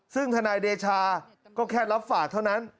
ซึ่งทนายเดชาก็แค่รับฝากเท่านั้น